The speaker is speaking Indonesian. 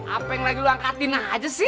apa yang lagi lu angkatin aja sih